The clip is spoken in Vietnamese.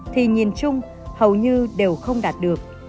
thì nhìn chung hầu như đều không đạt được